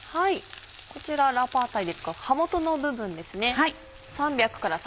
こちらラーパーツァイで使う葉元の部分ですね。